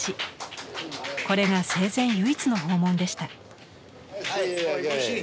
これが生前唯一の訪問でした。